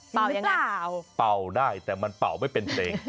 เป่ายังไงเป่าได้แต่มันเป่าไม่เป็นเพลง